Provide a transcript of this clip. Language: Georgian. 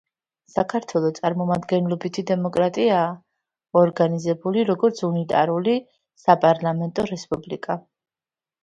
საქართველო წარმომადგენლობითი დემოკრატიაა, ორგანიზებული როგორც უნიტარული, საპარლამენტო რესპუბლიკა.